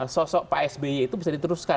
sosok pak sby itu bisa diteruskan